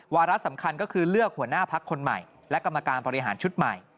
วาระสำคัญก็คือเลือกหัวหน้าพักคนใหม่และกรรมการบริหารชุดใหม่